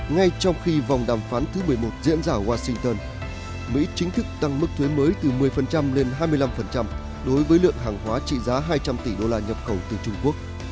ngay trong khi vòng đàm phán thứ một mươi một diễn ra ở washington mỹ chính thức tăng mức thuế mới từ một mươi lên hai mươi năm đối với lượng hàng hóa trị giá hai trăm linh tỷ đô la nhập khẩu từ trung quốc